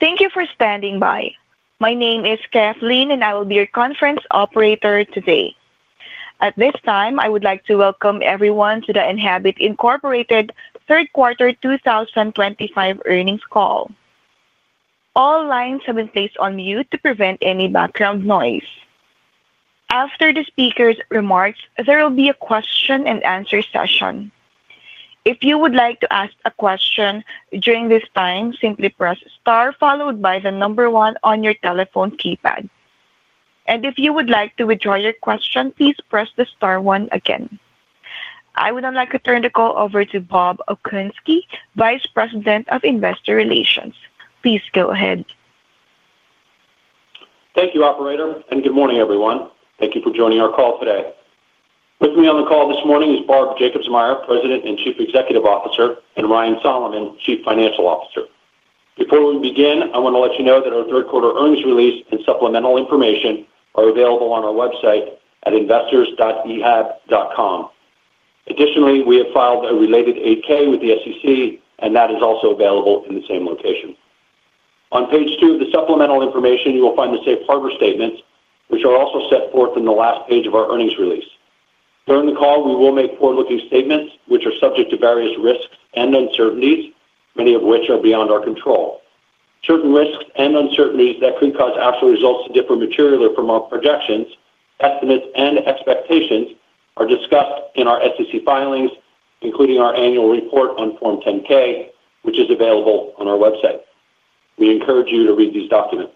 Thank you for standing by. My name is Kathleen and I will be your conference operator today. At this time I would like to welcome everyone to the Enhabit Incorporated Third Quarter 2025 Earnings Call. All lines have been placed on mute to prevent any background noise. After the speaker's remarks, there will be a question and answer session. If you would like to ask a question during this time, simply press star followed by the number one on your telephone keypad and if you would like to withdraw your question, please press the star one again. I would like to turn the call over to Bob Okunski, Vice President of Investor Relations. Please go ahead. Thank you, operator, and good morning, everyone. Thank you for joining our call today. With me on the call this morning is Barb Jacobsmeyer, President and Chief Executive Officer, and Ryan Solomon, Chief Financial Officer. Before we begin, I want to let. You know that our third quarter earnings. Release and supplemental information are available on our website at investors.ehab.com. Additionally, we have filed a related 8-K with the SEC and that is also available in the same location. On page two of the supplemental information you will find the safe harbor statements which are also set forth in the last page of our earnings release. During the call we will make forward-looking statements which are subject to various risks and uncertainties, many of which are beyond our control. Certain risks and uncertainties that could cause actual results to differ materially from our projections, estimates and expectations are discussed in our SEC filings, including our annual report on Form 10-K which is available on our website. We encourage you to read these documents.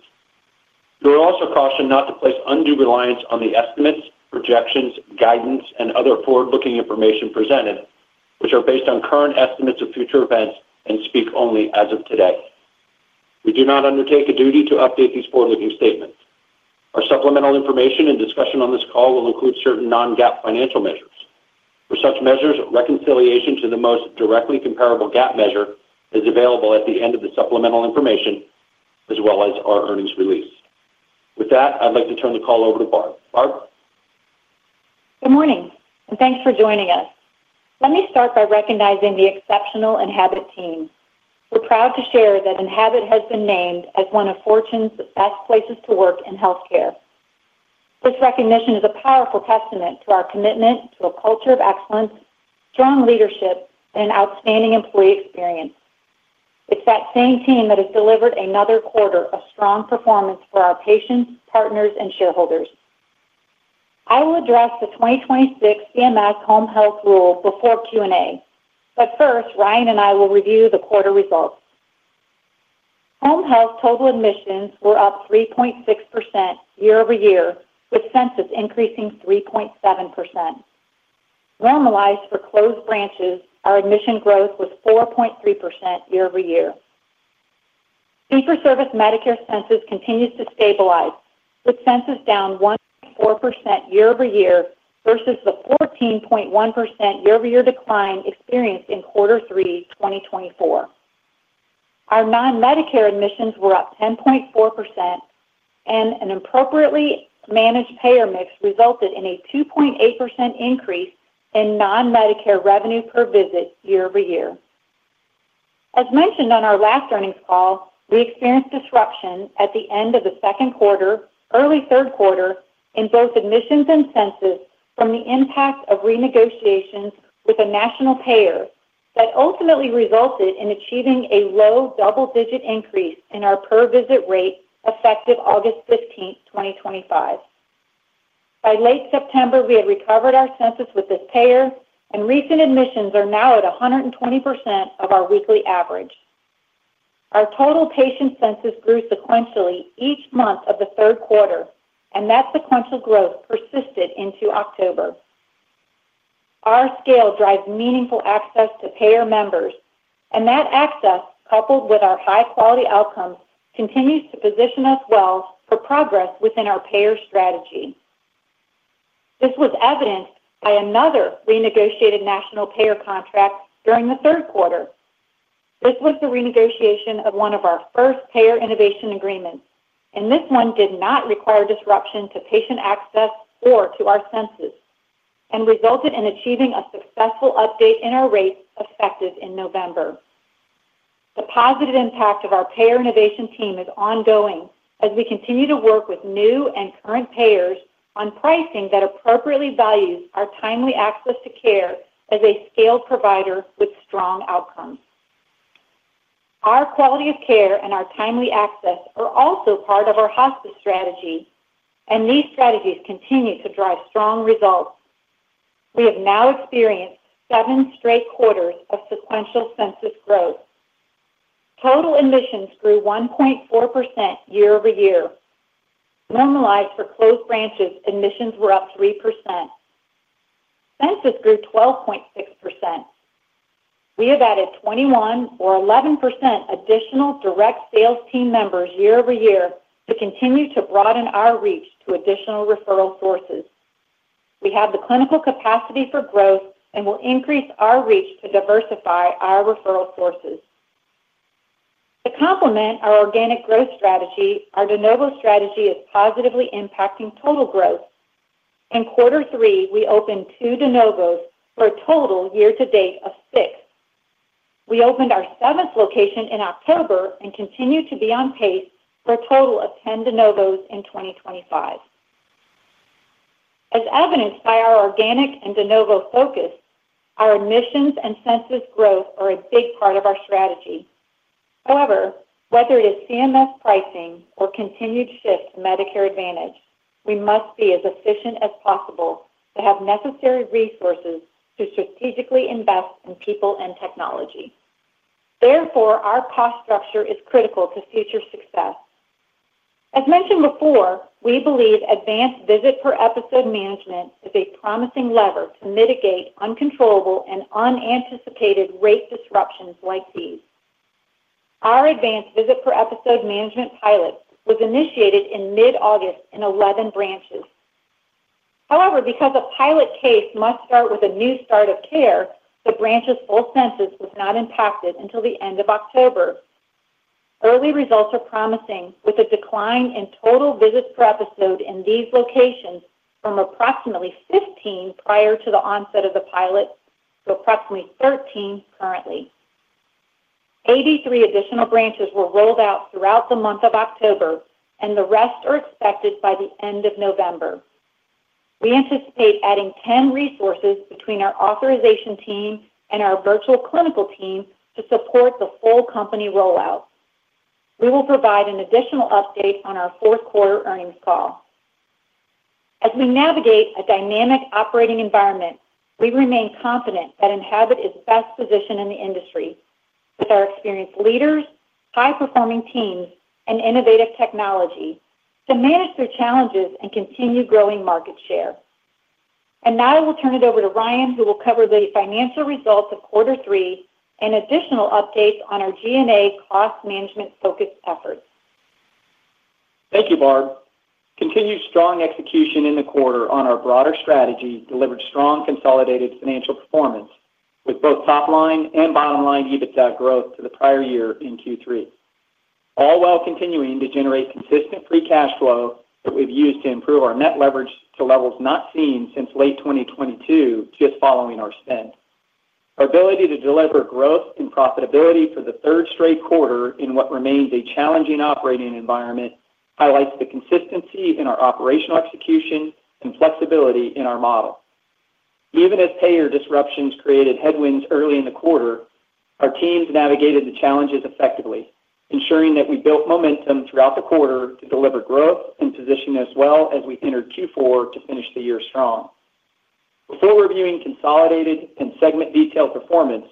You are also cautioned not to place undue reliance on the estimates, projections, guidance and other forward looking information presented which are based on current estimates of future events and speak only as of today. We do not undertake a duty to update these forward looking statements. Our supplemental information and discussion on this call will include certain non-GAAP financial measures. For such measures, reconciliation to the most directly comparable GAAP measure is available at the end of the supplemental information as well as our earnings release. With that, I'd like to turn the. Call over to Barb. Barb. Good morning and thanks for joining us. Let me start by recognizing the exceptional Enhabit team. We're proud to share that Enhabit has been named as one of Fortune's Best Places to Work in Health Care. This recognition is a powerful testament to our commitment to a culture of excellence, strong leadership, and outstanding employee experience. It's that same team that has delivered another quarter of strong performance for our patients, partners, and shareholders. I will address the 2026 CMS Home Health Rule before Q&A but first Ryan and I will review the quarter results. Home health total admissions were up 3.6% year over year with census increasing 3.7%. Normalized for closed branches, our admission growth was 4.3% year over year. Fee-for-Service Medicare census continues to stabilize with census down 1.4% year over year versus the 14.1% year over year decline experienced in quarter three 2024. Our non-Medicare admissions were up 10.4% and an appropriately managed payer mix resulted in a 2.8% increase in non-Medicare revenue per visit year over year. As mentioned on our last earnings call, we experienced disruption at the end of the second quarter and early third quarter in both admissions and census from the impact of renegotiations with a national payer that ultimately resulted in achieving a low double-digit increase in our per visit rate effective August 15th, 2025. By late September, we had recovered our census with this payer and recent admissions are now at 120% of our weekly average. Our total patient census grew sequentially each month of the third quarter and that sequential growth persisted into October. Our scale drives meaningful access to payer members and that access, coupled with our high quality outcomes, continues to position us well for progress within our payer strategy. This was evidenced by another renegotiated national payer contract during the third quarter. This was the renegotiation of one of our first payer innovation agreements, and this one did not require disruption to patient access or to our census and resulted in achieving a successful update in our rates effective in November. The positive impact of our payer innovation team is ongoing as we continue to work with new and current payers on pricing that appropriately values our timely access to care as a scaled provider with strong outcomes. Our quality of care and our timely access are also part of our hospice strategy, and these strategies continue to drive strong results. We have now experienced seven straight quarters of sequential census growth. Total admissions grew 1.4% year over year. Normalized for closed branches, admissions were up 3%, census grew 12.6%. We have added 21% or 11% additional direct sales team members year over year to continue to broaden our reach to additional referral sources. We have the clinical capacity for growth and will increase our reach to diversify our referral sources to complement our organic growth strategy. Our de novo strategy is positively impacting total growth in quarter three. We opened two de novos for a total year to date of six. We opened our seventh location in October and continue to be on pace for a total of 10 de novos in 2025, as evidenced by our organic and de novo focus. Our admissions and census growth are a big part of our strategy. However, whether it is CMS pricing or continued shift to Medicare Advantage, we must be as efficient as possible to have necessary resources to strategically invest in people and technology. Therefore, our cost structure is critical to future success. As mentioned before, we believe advanced visit per episode management is a promising lever to mitigate uncontrollable and unanticipated rate disruptions like these. Our advanced visit per episode management pilots was initiated in mid August in 11 branches. However, because a pilot case must start with a new start of care, the branch's full census was not impacted until the end of October. Early results are promising with a decline in total visits per episode in these locations from approximately 15 prior to the onset of the pilot to approximately 13 currently. 83 additional branches were rolled out throughout the month of October and the rest are expected by the end of November. We anticipate adding 10 resources between our authorization team and our virtual clinical team to support the full company rollout. We will provide an additional update on our fourth quarter earnings call as we navigate a dynamic operating environment. We remain confident that Enhabit is best positioned in the industry with our experienced leaders, high performing teams, and innovative technology to manage the challenges and continue growing market share. Now we'll turn it over to Ryan who will cover the financial results of quarter three and additional updates on our G&A cost management focused efforts. Thank you Barb. Continued strong execution in the quarter on our broader strategy delivered strong consolidated financial performance with both top line and bottom line EBITDA growth to the prior year in Q3, all while continuing to generate consistent free cash flow that we've used to improve our net leverage to levels not seen since late 2022 just following our spend. Our ability to deliver growth and profitability for the third straight quarter in what remains a challenging operating environment highlights the consistency in our operational execution and flexibility in our model. Even as payer disruptions created headwinds early in the quarter, our teams navigated the challenges effectively, ensuring that we built momentum throughout the quarter to deliver growth and position us well as we entered Q4 to finish the year strong before reviewing consolidated and segment detailed performance.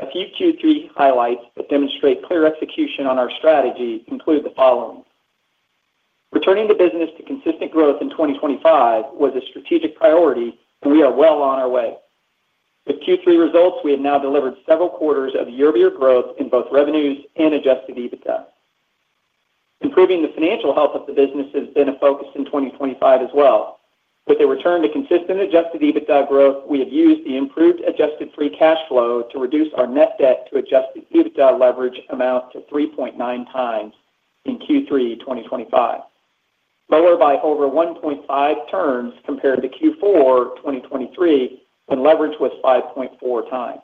A few Q3 highlights that demonstrate clear execution on our strategy conclude the following. Returning the business to consistent growth in 2025 was a strategic priority and we are well on our way with Q3 results. We have now delivered several quarters of year over year growth in both revenues and adjusted EBITDA. Improving the financial health of the business has been a focus in 2025 as well, with a return to consistent adjusted EBITDA growth. We have used the improved adjusted free cash flow to reduce our net debt to adjusted EBITDA leverage amount to 3.9 times in Q3 2025, lower by over 1.5 turns compared to Q4 2023 when leverage was 5.4 times.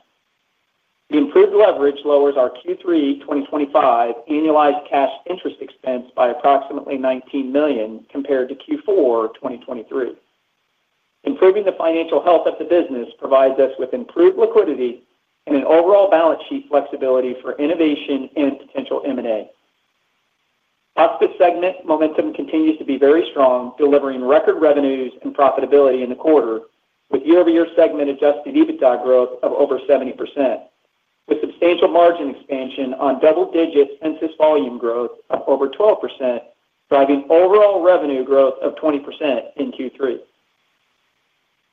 The improved leverage lowers our Q3 2025 annualized cash interest expense by approximately $19 million compared to Q4 2023. Improving the financial health of the business provides us with improved liquidity and an overall balance sheet flexibility for innovation and potential. M&A Hospice segment momentum continues to be very strong, delivering record revenues and profitability in the quarter with year-over-year segment adjusted EBITDA growth of over 70% with substantial margin expansion on double-digit census volume growth of over 12%, driving overall revenue growth of 20% in Q3.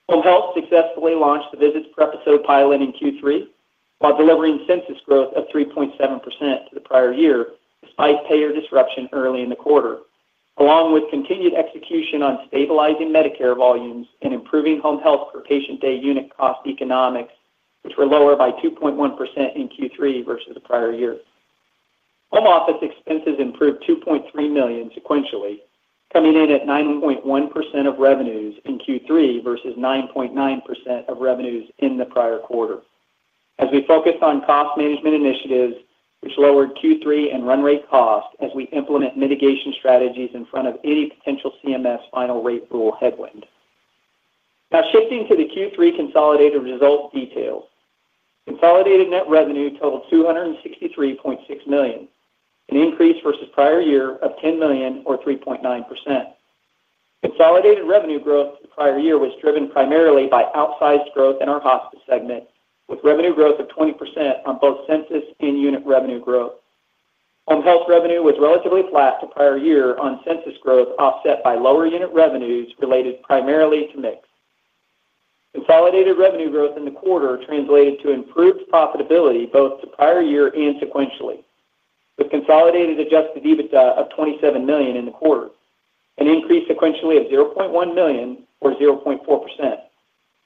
Home health successfully launched the visits per episode pilot in Q3 while delivering census growth of 3.7% to the prior year. Despite payer disruption early in the quarter along with continued execution on stabilizing Medicare volumes and improving overome health per patient day unit cost economics which were lower by 2.1% in Q3 versus the prior year. Home office expenses improved $2.3 million sequentially, coming in at 9.1% of revenues in Q3 versus 9.9% of revenues in the prior quarter as we focused on cost management initiatives, which lowered Q3 and run rate cost as we implement mitigation strategies in front of any potential CMS final rate rule headwind. Now shifting to the Q3 consolidated result details, consolidated net revenue totaled $263.6 million, an increase versus prior year of $10 million or 3.9%. Consolidated revenue growth the prior year was driven primarily by outsized growth in our hospice segment, with revenue growth of 20% on both census and unit revenue growth. Home health revenue was relatively flat to prior year on census growth, offset by lower unit revenues related primarily to mix. Consolidated revenue growth in the quarter translated to improved profitability both to prior year and sequentially with consolidated adjusted EBITDA of $27 million in the quarter, an increase sequentially of $0.1 million or 0.4%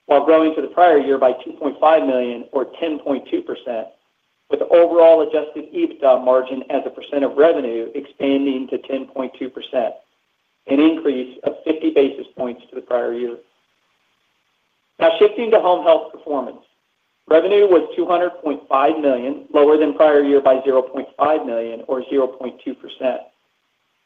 while growing for the prior year by $2.5 million or 10.2%, with overall adjusted EBITDA margin as a percent of revenue expanding to 10.2%, an increase of 50 basis points to the prior year. Now shifting to home health performance, revenue was $200.5 million, lower than prior year by $0.5 million or 0.2%.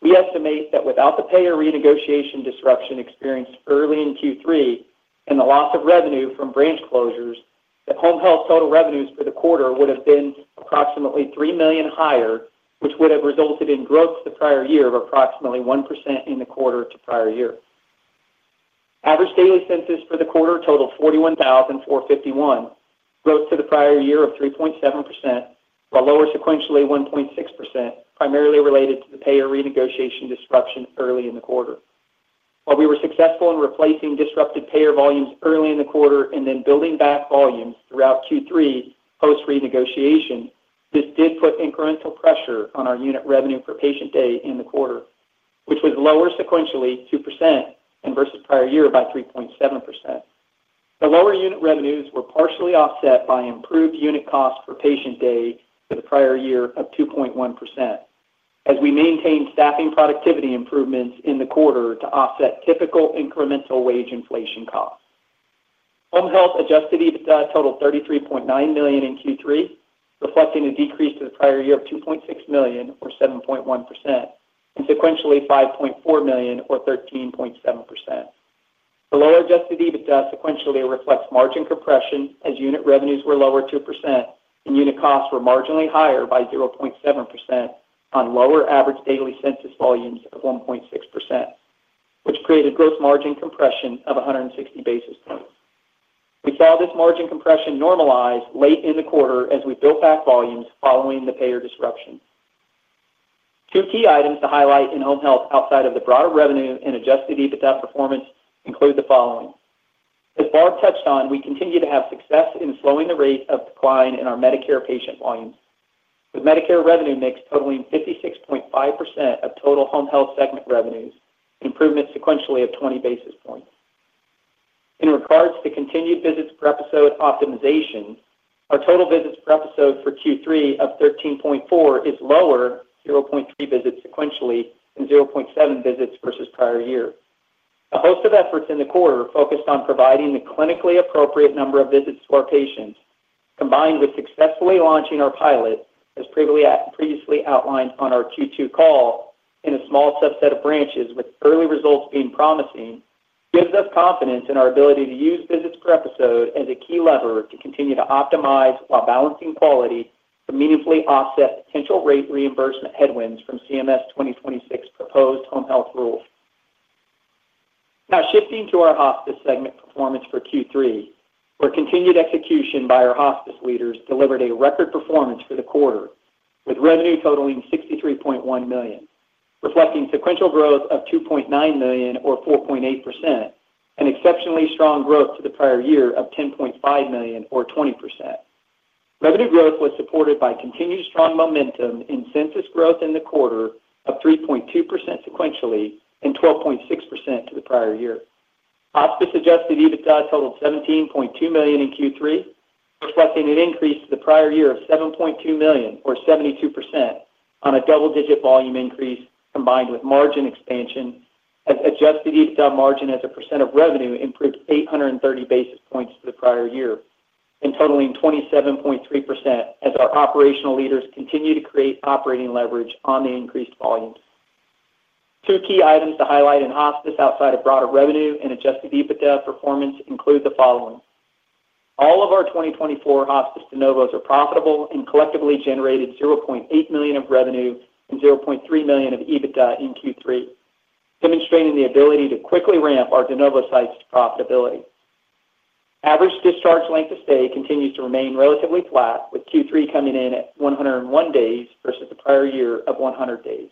We estimate that without the payer renegotiation disruption experienced early in Q3 and the loss of revenue from branch closures that home health total revenues for the quarter would have been approximately $3 million higher, which would have resulted in growth to the prior year of approximately 1% in the quarter. The prior year average daily census for the quarter totaled 41,451, growth to the prior year of 3.7%, while lower sequentially 1.6%, primarily related to the payer renegotiation disruption early in the quarter. While we were successful in replacing disrupted payer volumes early in the quarter and then building back volumes throughout Q3 post renegotiation, this did put incremental pressure on our unit revenue per patient day in the quarter, which was lower sequentially 2% and versus prior year by 3.7%. The lower unit revenues were partially offset by improved unit cost per patient day for the prior year of 2.1% as we maintained staffing productivity improvements in the quarter to offset typical incremental wage inflation costs. Home health adjusted EBITDA totaled $33.9 million in Q3, reflecting a decrease to the prior year of $2.6 million or 7.1% and sequentially $5.4 million or 13.7%. The lower adjusted EBITDA sequentially reflects margin compression as unit revenues were lower 2% and unit costs were marginally higher by 0.7% on lower average daily census volumes of 1.6% which created gross margin compression of 160 basis points. We saw this margin compression normalize late in the quarter as we built back volumes following the payer disruption. Two key items to highlight in home health outside of the broader revenue and adjusted EBITDA performance include the following. As Barb touched on, we continue to have success in slowing the rate of decline in our Medicare patient volumes, with Medicare revenue mix totaling 56.5% of total home health segment revenues, improvement sequentially of 20 basis points. In regards to continued visits per episode optimization, our total visits per episode for Q3 of 13.4 is lower 0.3 visits sequentially and 0.7 visits versus prior year. A host of efforts in the quarter focused on providing the clinically appropriate number of visits to our patients, combined with successfully launching our pilot as previously outlined on our Q2 call in a small subset of branches, with early results being promising, gives us confidence in our ability to use visits per episode as a key lever to continue to optimize while balancing quality to meaningfully offset potential rate reimbursement headwinds from the CMS 2026 proposed home health rule. Now shifting to our hospice segment performance for Q3, where continued execution by our hospice leaders delivered a record performance for the quarter, with revenue totaling $63.1 million, reflecting sequential growth of $2.9 million or 4.8% and exceptionally strong growth to the prior year of $10.5 million or 20%. Revenue growth was supported by continued strong momentum in census growth in the quarter of 3.2% sequentially and 12.6% to the prior year. Hospice adjusted EBITDA totaled $17.2 million in Q3 reflecting an increase to the prior year of $7.2 million or 72% on a double digit volume increase combined with margin expansion as adjusted EBITDA margin as a percent of revenue improved 830 basis points to the prior year and totaling 27.3% as our operational leaders continue to create operating leverage on the increased volumes. Two key items to highlight in hospice outside of broader revenue and adjusted EBITDA performance include the following all of our 2024 hospice de novos are profitable and collectively generated $0.8 million of revenue and $0.3 million of EBITDA in Q3, demonstrating the ability to quickly ramp our de novo sites to profitability. Average discharge length of stay continues to remain relatively flat with Q3 coming in at 101 days versus the prior year of 100 days,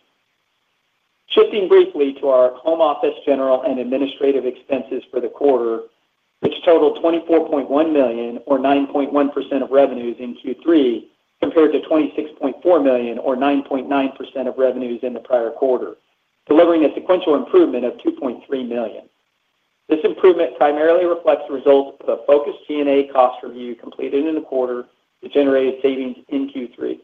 shifting briefly to our home office general and administrative expenses for the quarter which totaled $24.1 million or 9.1% of revenues in Q3 compared to $26.4 million or 9.9% of revenues in the prior quarter, delivering a sequential improvement of $2.3 million. This improvement primarily reflects the results of a focused G and A cost review completed in the quarter that generated savings in Q3.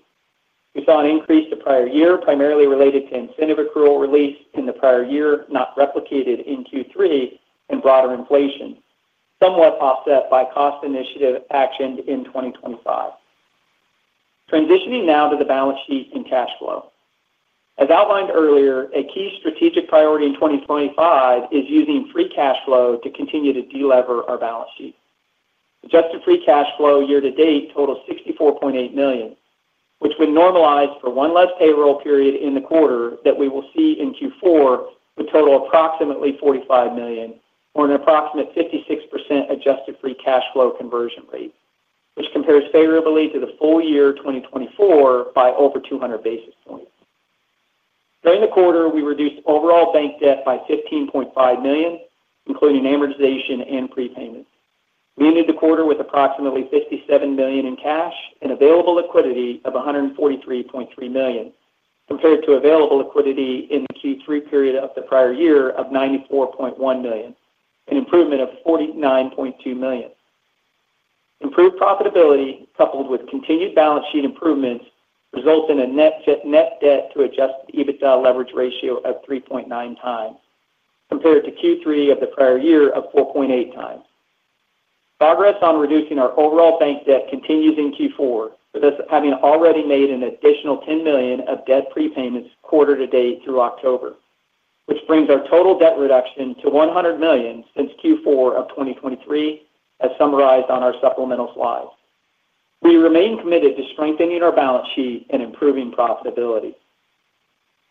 We saw an increase the prior year primarily related to incentive accrual release in the prior year not replicated in Q3 and broader inflation somewhat offset by cost initiative action in 2025. Transitioning now to the balance sheet and cash flow as outlined earlier, a key strategic priority in 2025 is using free cash flow to continue to delever. Our balance sheet adjusted free cash flow year to date totals $64.8 million, which would normalize for one less payroll period in the quarter that we will see in Q4 would total approximately $45 million or an approximate 56% adjusted free cash flow conversion rate which compares favorably to the full year 2024 by over 200 basis points. During the quarter we reduced overall bank debt by $15.5 million, including amortization and prepayments. We ended the quarter with approximately $57 million in cash and available liquidity of $143.3 million compared to available liquidity in the Q3 period of the prior year of $94.1 million, an improvement of $49.2 million. Improved profitability coupled with continued balance sheet improvements results in a net debt to adjusted EBITDA leverage ratio of 3.9 times compared to Q3 of the prior year of 4.8 times. Progress on reducing our overall bank debt continues in Q4 with us having already made an additional $10 million of debt prepayments quarter to date through October, which brings our total debt reduction to $100 million since Q4 of 2023, as summarized on our supplemental slides. We remain committed to strengthening our balance sheet and improving profitability.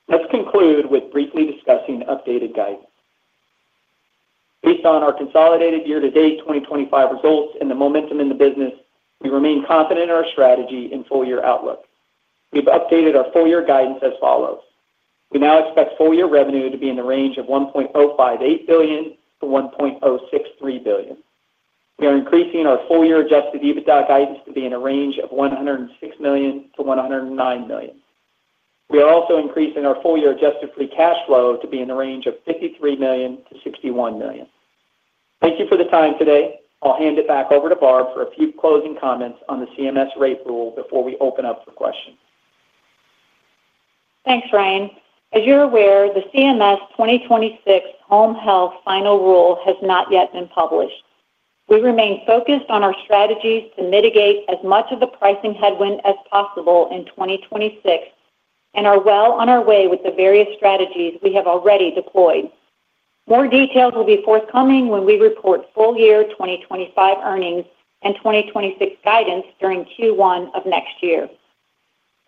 Let's conclude with briefly discussing updated guidance based on our consolidated year to date 2025 results and the momentum in the business. We remain confident in our strategy and full year outlook. We've updated our full year guidance as follows. We now expect full year revenue to be in the range of $1.058 billion-$1.063 billion. We are increasing our full year adjusted EBITDA guidance to be in a range of $106 million-$109 million. We are also increasing our full year adjusted free cash flow to be in the range of $53 million-$61 million. Thank you for the time today. I'll hand it back over to Barb for a few closing comments on the CMS rate rule before we open up for questions. Thanks, Ryan. As you're aware, the CMS 2026 Home Health Final Rule has not yet been published. We remain focused on our strategies to mitigate as much of the pricing headwind as possible in 2026 and are well on our way with the various strategies we have already deployed. More details will be forthcoming when we report full year 2025 earnings and 2026 guidance during Q1 of next year.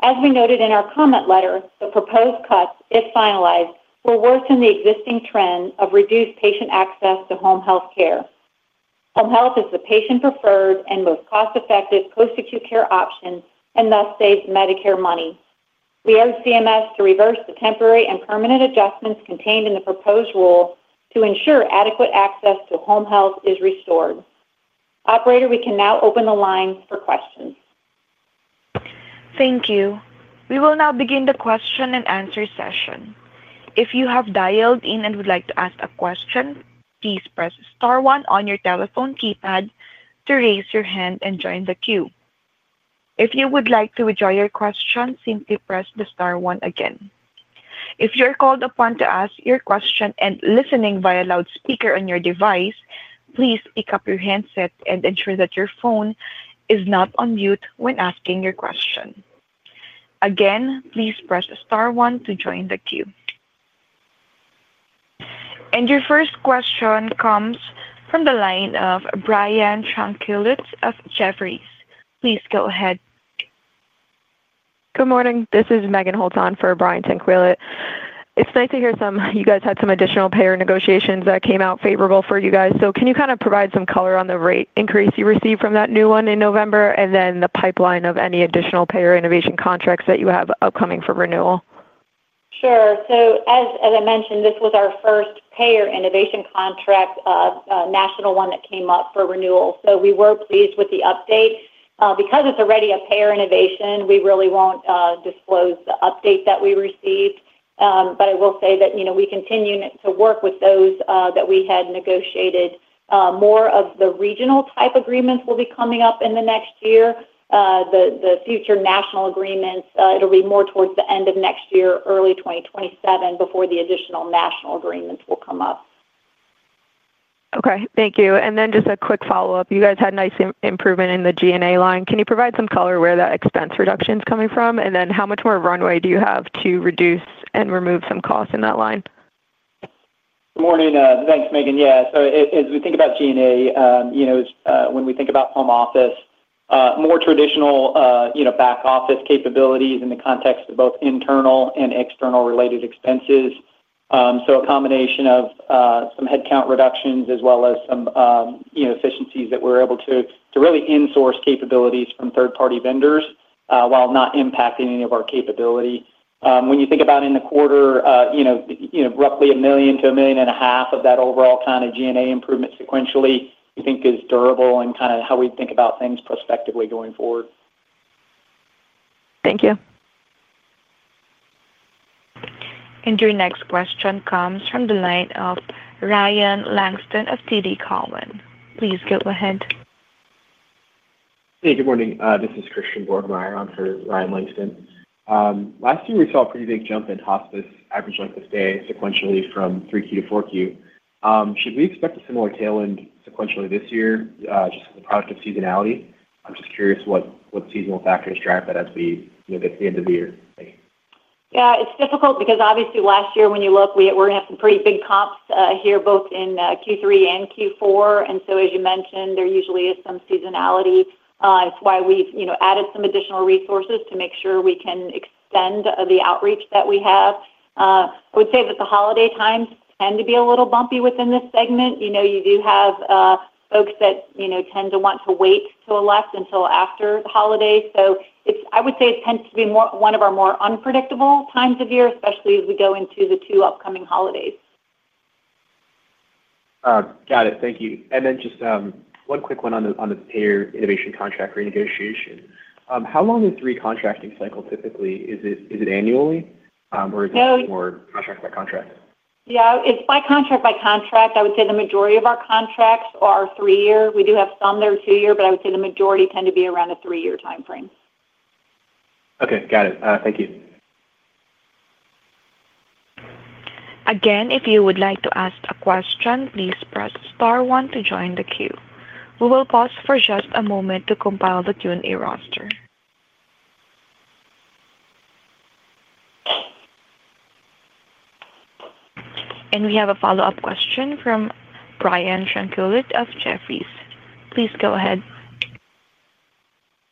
As we noted in our comment letter, the proposed cuts, if finalized, will worsen the existing trend of reduced patient access to home health care. Home health is the patient preferred and most cost effective post acute care option and thus saves Medicare money. We urge CMS to reverse the temporary and permanent adjustments contained in the proposed rule to ensure adequate access to home health is restored. Operator, we can now open the line for questions. Thank you. We will now begin the question and answer session. If you have dialed in and would like to ask a question, please press star one on your telephone keypad to raise your hand and join the queue. If you would like to withdraw your question, simply press the star one again. If you're called upon to ask your question and listening via loudspeaker on your device, please pick up your handset and ensure that your phone is not on mute. When asking your question again, please press star one to join the queue and your first question comes from the line of Brian Tanquilut of Jefferies. Please go ahead. Good morning, this is Meghan Holtz on for Brian Tanquilut. It's nice to hear some you guys had some additional payer negotiations that came out favorable for you guys. Can you kind of provide some color on the rate increase you received from that new one in November and then the pipeline of any additional payer innovation contracts that you have upcoming for renewal? Sure. As I mentioned, this was our first payer innovation contract, national one that came up for renewal. We were pleased with the update, and because it's already a payer innovation, we really won't disclose the update that we received, but I will say that we continue to work with those that we had negotiated. More of the regional type agreements will be coming up in the next year. The future national agreements, it'll be more towards the end of next year, early 2027 before the additional national agreements will come. Okay, thank you. Just a quick follow up. You guys had nice improvement in the G&A line. Can you provide some color where that expense reduction is coming from? How much more runway do you have to reduce and remove some costs in that line? Good morning. Thanks Meghan. Yeah, so as we think about G&A, you know, when we think about home office, more traditional, you know, back office capabilities in the context of both internal and external related expenses. So a combination of some headcount reductions as well as some efficiencies that we're able to really insource capabilities from third-party vendors while not impacting any of our capability. When you think about in the quarter, roughly $1 million-$1.5 million of that overall kind of G&A improvement sequentially we think is durable and kind of how we think about things prospectively going forward. Thank you. Your next question comes from the line of Ryan Langston of TD Cowen. Please go ahead. Hey, good morning, this is Christian Borgmeyer on Ryan Langston. Last year we saw a pretty big jump in hospice. Average length of stay sequentially from 3Q to 4Q. Should we expect a similar tailwind sequentially this year? Just as a product of seasonality. Just curious, what seasonal factors drive that as we get to the end of the year? Yeah, it's difficult because obviously last year when you look, we're going to have some pretty big comps here both in Q3 and Q4. As you mentioned, there usually is some seasonality. It's why we've added some additional resources to make sure we can extend the outreach that we have. I would say that the holiday times tend to be a little bumpy within this segment. You do have folks that tend to want to wait to elect until after the holiday. I would say it tends to be one of our more unpredictable times of year, especially as we go into the two upcoming holidays. Got it, thank you. And then just one quick one on the payer innovation contract renegotiation. How long is the recontracting cycle typically? Is it annually or is it? Or contract by contract? Yeah, it's by contract. By contract. I would say the majority of our contracts are three year. We do have some that are two year, but I would say the majority tend to be around a three year time frame. Okay, got it. Thank you. Again. If you would like to ask a question, please press star one to join the queue. We will pause for just a moment to compile the Q&A roster. We have a follow up question from Brian Tanquilut of Jefferies. Please go ahead.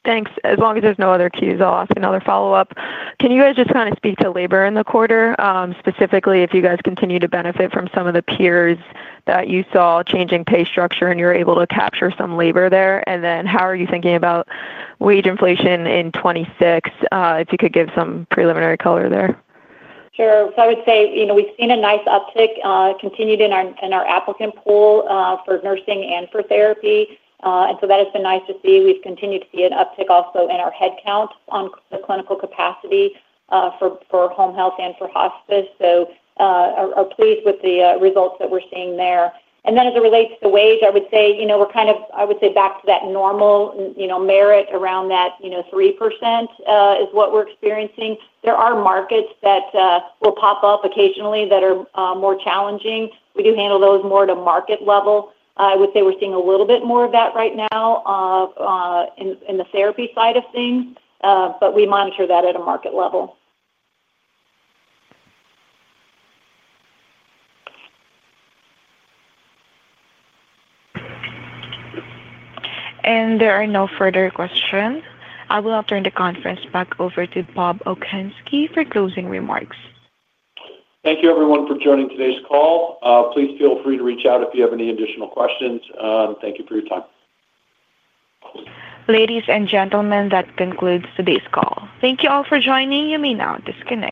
Thanks. As long as there's no other cues, I'll ask another follow up. Can you guys just kind of speak to labor in the quarter specifically if you guys continue to benefit from some of the peers that you saw changing pay structure and you were able to capture some labor there. And then how are you thinking about wage inflation in 2026, if you could give some preliminary color there? Sure. I would say, you know, we've seen a nice uptick continued in our applicant pool for nursing and for therapy. And so that has been nice to see. We've continued to see an uptick also in our headcount on the clinical capacity for home health and for hospice. So are pleased with the results that we're seeing there. As it relates to wage, I would say, you know, we're kind of, I would say back to that normal, you know, merit around that, you know, 3% is what we're experiencing. There are markets that will pop up occasionally that are more challenging. We do handle those more at a market level. I would say we're seeing a little bit more of that right now in the therapy side of things. We monitor that at a market level. There are no further questions. I will now turn the conference back over to Bob Okunski for closing remarks. Thank you, everyone, for joining today's call. Please feel free to reach out if you have any additional questions. Thank you for your time. Ladies and gentlemen, that concludes today's call. Thank you all for joining. You may now disconnect.